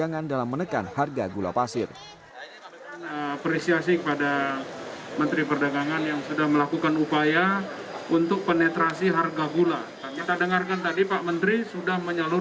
kalau pasar kita